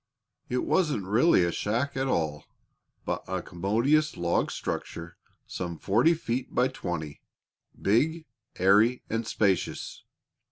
It wasn't really a shack at all, but a commodious log structure some forty feet by twenty big, airy, and spacious.